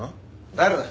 誰だ？